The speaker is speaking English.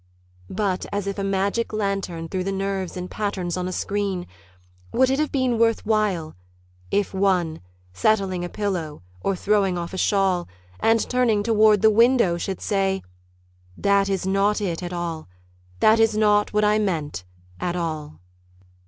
But as if a magic lantern threw the nerves in patterns on a screen: Would it have been worth while If one, settling a pillow or throwing off a shawl, And turning toward the window, should say: "That is not it at all, That is not what I meant, at all."